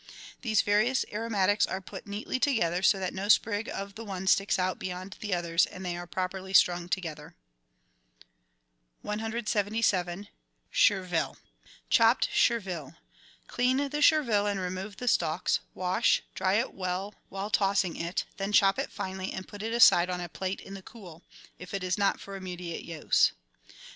These various aromatics are put neatly together so that no sprig of the one sticks out beyond the others, and they are properly strung together. 177— CHERVIL Chopped Chervil. — Clean the chervil and remove the stalks ; wash, dry it well while tossing it, then chop it finely and put it aside on a plate in the cool, if it is not for immediate use.